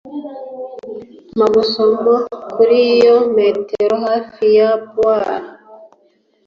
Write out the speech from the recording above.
Mpa gusoma kuri iyo metero hafi ya boiler.